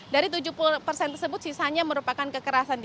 dari tujuh puluh persen tersebut sisanya merupakan kekerasan